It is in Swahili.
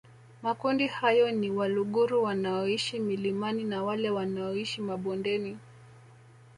Makundi hayo ni Waluguru wanaoishi milimani na wale wanaoishi mabondeni